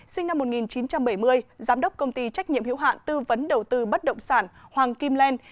sinh năm một nghìn chín trăm bảy mươi giám đốc công ty trách nhiệm hiệu hạn tư vấn đầu tư bất động sản hoàng kim len